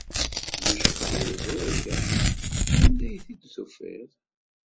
Yecbeḥ weẓru-a. Anda ay t-id-tufiḍ?